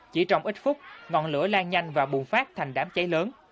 chỉ trong ít phút ngọn lửa lan nhanh và bùng phát thành đám cháy lớn